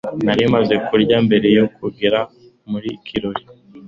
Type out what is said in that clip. nari maze kurya mbere yuko ngera mu kirori